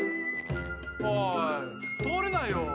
おい通れないよ。